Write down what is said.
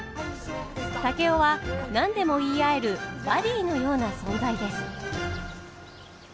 竹雄は何でも言い合えるバディーのような存在です。